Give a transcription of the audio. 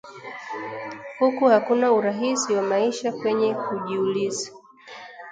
Huku hakuna urahisi wa maisha kwenye kujiuza!